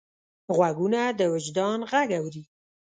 غوږونه د وجدان غږ اوري